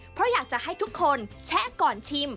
เพราะอยากจะให้ทุกคนแชะก่อนชิม